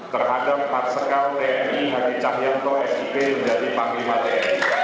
terhadap marsikal tni hadi cahyanto sip menjadi panglima tni